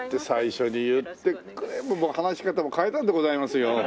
最初に言ってくれもう話し方も変えたんでございますよ。